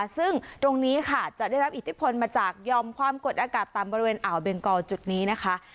ซึ่งตรงนี้ค่ะจะได้รับอิทธิพลมาจากยอมความกดอากาศต่ำบริเวณอ่าวเบงกอลจุดนี้นะคะ